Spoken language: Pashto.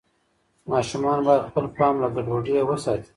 ماشومان باید خپل پام له ګډوډۍ وساتي.